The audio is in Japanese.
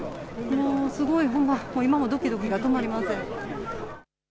すごいほんま今もどきどきが止まりません。